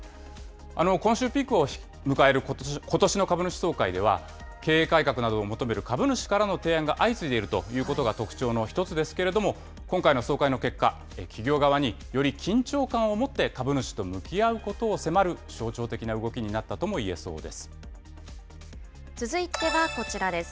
今週、ピークを迎えることしの株主総会では、経営改革などを求める株主からの提案が相次いでいるということが特徴の一つですけれども、今回の総会の結果、企業側に、より緊張感を持って株主と向き合うことを迫る象徴的な動きになっ続いてはこちらです。